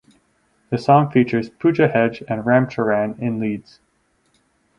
The song features Pooja Hegde and Ram Charan in leads.